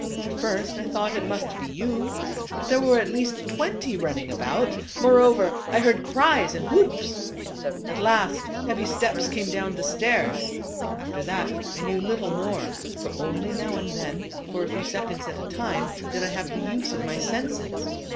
At first I thought it must be you, but there were at least twenty running about; moreover, I heard cries and whoops. At last, heavy steps came down the stairs. After that I knew little more ; for only now and then, for a few seconds at a time, did I have the use of my senses.